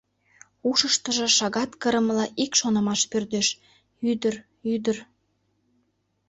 Ушыштыжо шагат кырымыла ик шонымаш пӧрдеш: «Ӱдыр, ӱдыр!..»